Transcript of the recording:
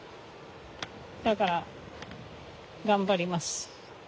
だから頑張ります。